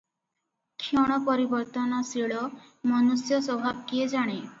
କ୍ଷଣ ପରିବର୍ତ୍ତନଶୀଳ ମନୁଷ୍ୟ ସ୍ୱଭାବ କିଏ ଜାଣେ?